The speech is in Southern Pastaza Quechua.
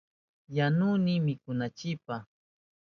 Yanuhuni mikunanchipa.